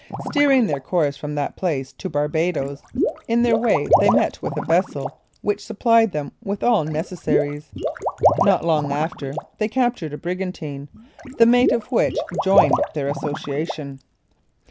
Steering their course from that place to Barbadoes, in their way they met with a vessel which supplied them with all necessaries. Not long after, they captured a brigantine, the mate of which joined their association.